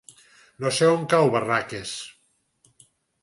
No sé on cau Barraques.